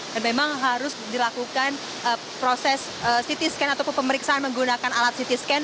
dan memang harus dilakukan proses ct scan ataupun pemeriksaan menggunakan alat ct scan